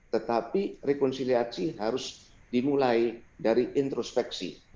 tetapi rekonsiliasi harus dimulai dari introspeksi